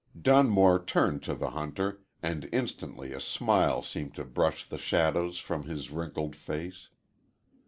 Dunmore turned to the hunter, and instantly a smile seemed to brush the shadows from his wrinkled face.